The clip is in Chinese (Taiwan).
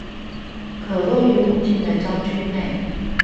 可落於目鏡的焦距內